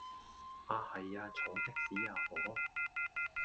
啊係呀坐的士啊可